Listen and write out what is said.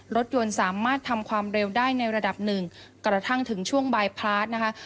รถยนต์สามารถทำความเร็วได้ในระดับหนึ่งกระทั่งถึงช่วงบายพลาสนะคะ